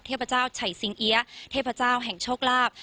เทพเจ้าไฉสิงเอี๊ยเทพเจ้าแห่งโชคลาภ